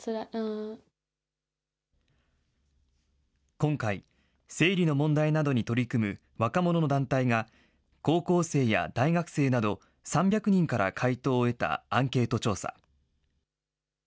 今回、生理の問題などに取り組む若者の団体が、高校生や大学生など３００人から回答を得たアンケート調査。